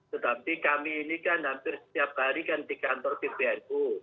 tetapi kami ini kan hampir setiap hari kan di kantor pbnu